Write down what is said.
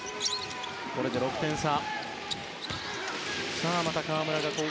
これで６点差。